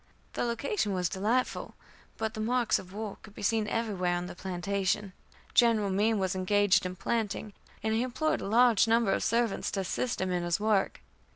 The location was delightful, but the marks of war could be seen everywhere on the plantation. General Meem was engaged in planting, and he employed a large number of servants to assist him in his work.